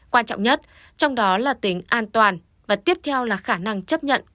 quan trọng nhất trong đó là tính an toàn và tiếp theo là khả năng chấp nhận của cộng đồng